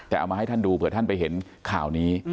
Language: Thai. แต่เอามาให้ท่านดูเผื่อท่านไปเห็นข่าวนี้